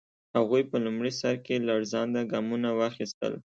هغوی په لومړي سر کې لړزانده ګامونه واخیستل.